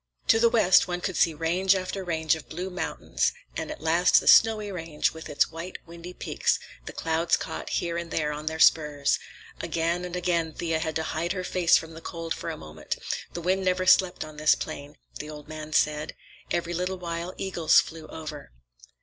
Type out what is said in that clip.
To the west one could see range after range of blue mountains, and at last the snowy range, with its white, windy peaks, the clouds caught here and there on their spurs. Again and again Thea had to hide her face from the cold for a moment. The wind never slept on this plain, the old man said. Every little while eagles flew over.